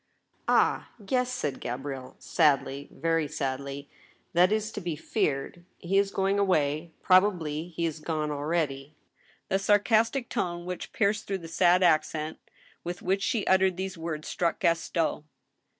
" Ah ! yes," said Gabrielle, sadly — ^very sadly, " that is to be feared. He is going away ; probably he is gone already." The sarcastic tone which pierced through the sad accent with which she uttered these words struck Gaston.